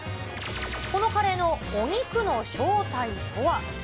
このカレーのお肉の正体とは。